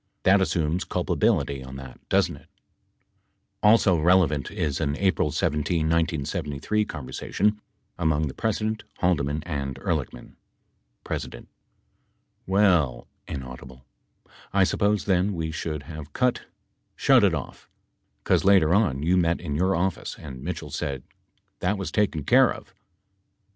That assumes culpability on that, doesn't it? [p. 798] Also relevant is an April 17, 1973, conversation among the Presi dent, Haldeman and Ehrlichman : P. Well. [inaudible] I suppose then we should have cut — shut if off, 'cause later on you met in your office and Mitchell said, " That teas taken care of."